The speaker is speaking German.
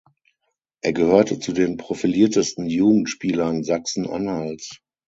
Er gehörte zu den profiliertesten Jugendspielern Sachsen-Anhalts.